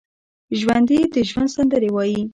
ژوندي د ژوند سندرې وايي